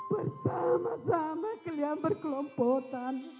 bersama sama kalian berkelompok